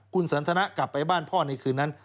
คุณสันทนากลับไปบ้านพ่อในคืนนั้น